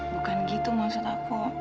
bukan gitu maksud aku